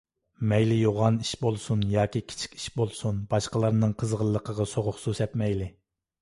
مەيلى يوغان ئىش بولسۇن ياكى كىچىك ئىش بولسۇن، باشقىلارنىڭ قىزغىنلىقىغا سوغۇق سۇ سەپمەيلى.